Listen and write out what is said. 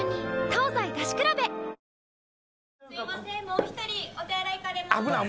もう一人お手洗い行かれます。